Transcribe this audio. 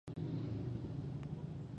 رضوان وویل چې دا د فلسطینیانو رسټورانټ دی.